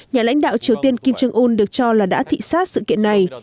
nhà lãnh đạo triều tiên kim jong un được cho là đã thị xát sự kiện này